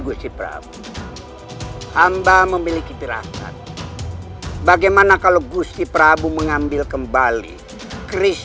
gusi prabowo hamba memiliki pirasan bagaimana kalau gusi prabowo mengambil kembali chris